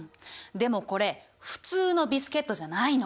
でもこれ普通のビスケットじゃないの。